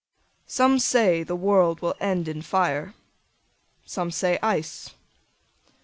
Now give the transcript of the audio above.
SOME say the world will end in fire, Some say in ice.